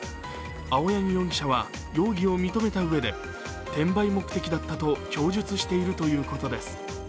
青柳容疑者は容疑を認めたうえで、転売目的だったと供述しているということです。